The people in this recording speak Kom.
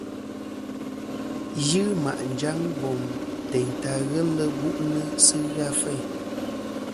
Yi ma' njaŋ bom teyn ta ghelɨ bu'nɨ sɨ ghɨ a feyn.